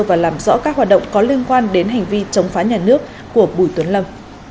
và làm rõ các hoạt động có liên quan đến hành vi chống phá nhà nước của bùi tuấn lâm